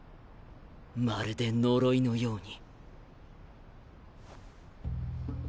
まるで呪いのように。